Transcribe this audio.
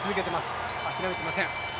諦めていません。